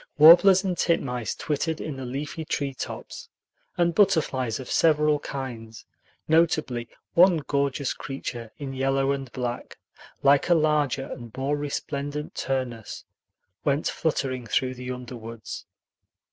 Warblers and titmice twittered in the leafy treetops, and butterflies of several kinds, notably one gorgeous creature in yellow and black, like a larger and more resplendent Turnus, went fluttering through the underwoods.